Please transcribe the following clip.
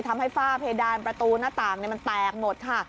ทำให้ฝ้าเพดานประตูหน้าต่างเนี่ยมันแตกหมดค่ะ